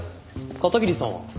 片桐さんは？